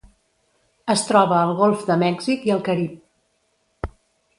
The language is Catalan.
Es troba al Golf de Mèxic i el Carib.